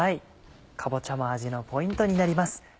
かぼちゃも味のポイントになります。